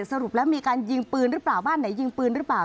สรุปแล้วมีการยิงปืนหรือเปล่าบ้านไหนยิงปืนหรือเปล่า